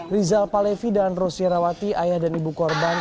rizal palevi dan rosyarawati ayah dan ibu korban